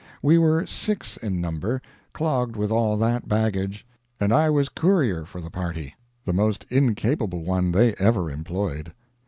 We were six in number, clogged with all that baggage, and I was courier for the party the most incapable one they ever employed.